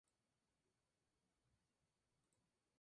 Actualmente su población se encuentra en declive.